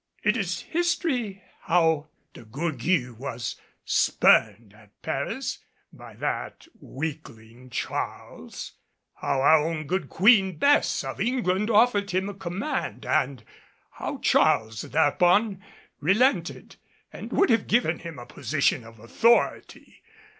It is history how De Gourgues was spurned at Paris by that weakling, Charles; how our own good Queen Bess of England offered him a command, and how Charles thereupon relented, and would have given him a position of authority.